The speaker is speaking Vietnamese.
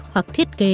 hoặc thiết kế